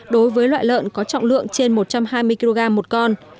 đối với loại lợn có trọng lượng trên một trăm hai mươi kg một con